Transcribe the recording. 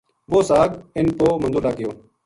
وہ ساگ اِنھ پو مندو لگ گیو